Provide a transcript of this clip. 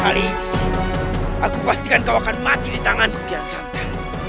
kali ini aku pastikan kau akan mati di tanganku kian santan